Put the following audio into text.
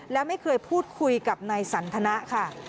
และไม่เคยพูดคุยกับนายสันทนะค่ะ